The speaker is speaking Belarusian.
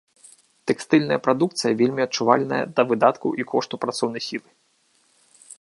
Тэкстыльная прадукцыя вельмі адчувальная да выдаткаў і кошту працоўнай сілы.